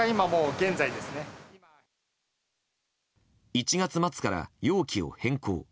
１月末から容器を変更。